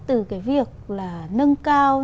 từ cái việc là nâng cao